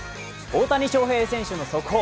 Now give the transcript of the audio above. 大谷翔平選手の速報。